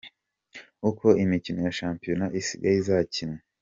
Uko imikino ya Shampiona isigaye izakinwa.